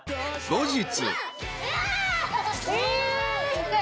［後日］